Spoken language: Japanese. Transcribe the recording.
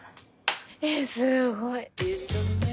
えっすごい。